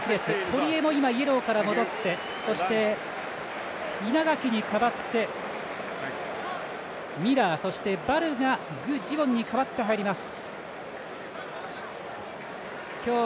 ここで日本フォワードの堀江もイエローから戻ってそして、稲垣に代わってミラー、そしてヴァルが具智元に代わって入ります。